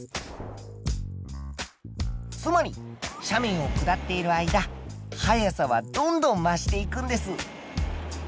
つまり斜面を下っている間速さはどんどん増していくんです。